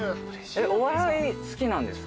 お笑い好きなんですか？